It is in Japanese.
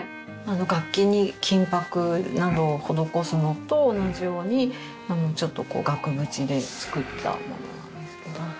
楽器に金箔などを施すのと同じようにちょっとこう額縁で作ったものなんですけど。